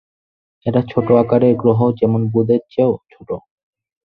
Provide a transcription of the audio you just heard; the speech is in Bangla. এরা ছোট আকারের গ্রহ যেমন বুধের চেয়েও ছোট।